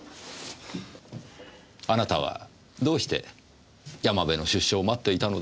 あなたはどうして山部の出所を待っていたのですか？